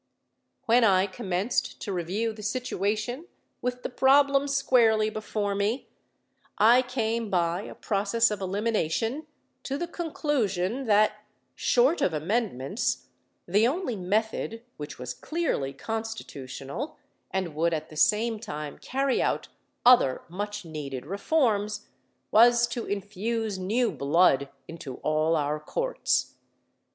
When I commenced to review the situation with the problem squarely before me, I came by a process of elimination to the conclusion that, short of amendments, the only method which was clearly constitutional, and would at the same time carry out other much needed reforms, was to infuse new blood into all our courts.